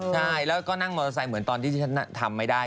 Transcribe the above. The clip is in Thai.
ใช่แล้วก็นั่งมอเตอร์ไซค์เหมือนตอนที่ที่ฉันทำไม่ได้